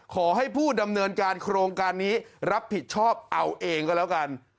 ขอให้ผู้ดำเนินการโครงการนี้รับผิดชอบเอาเองก็แล้วกัน